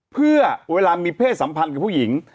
เพื่อเวลามีเพศสัมพันธ์กับผู้หญิง